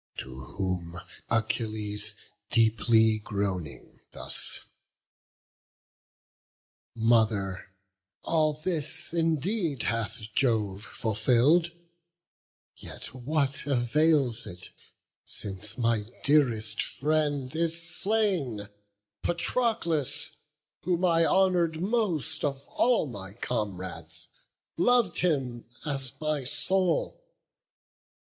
To whom Achilles, deeply groaning, thus: "Mother, all this indeed hath Jove fulfill'd; Yet what avails it, since my dearest friend Is slain, Patroclus? whom I honour'd most Of all my comrades, lov'd him as my soul.